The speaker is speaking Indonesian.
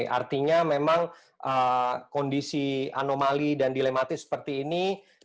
artinya memang kondisi anomali dan dilematis seperti ini